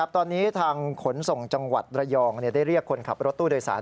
ตอนนี้ทางขนส่งจังหวัดระยองได้เรียกคนขับรถตู้โดยสาร